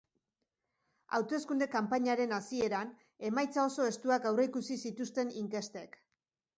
Hauteskunde kanpainaren hasieran, emaitza oso estuak aurreikusi zituzten inkestek.